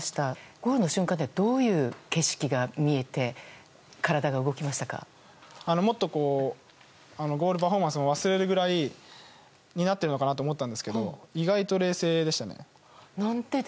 ゴールの瞬間はどういう景色が見えてもっとゴールパフォーマンスも忘れるぐらいになっているのかなと思ったんですが意外と冷静でしたね。